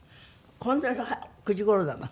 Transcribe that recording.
本当に９時頃なの？